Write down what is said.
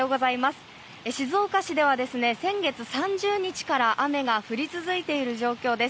静岡市では先月３０日から雨が降り続いている状況です。